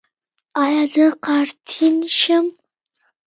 ایا زه قرنطین شم؟